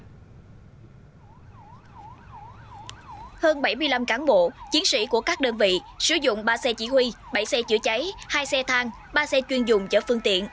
hơn bảy mươi năm cán bộ chiến sĩ của các đơn vị sử dụng ba xe chỉ huy bảy xe chữa cháy hai xe thang ba xe chuyên dùng chở phương tiện